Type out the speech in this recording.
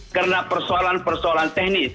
karena persoalan persoalan teknis